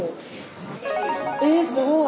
えすごい。